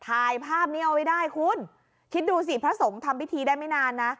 ถ่ายภาพนี้เอาไว้ได้คุณคิดดูสิพระสงฆ์ทำพิธีได้ไม่นานนะ